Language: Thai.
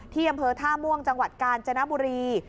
ที่อำเภอท่าม่วงจังหวัดกาญจนบุรี